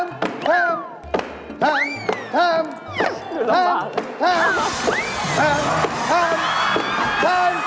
ยายตัวลอยได้ไหมตัวลอย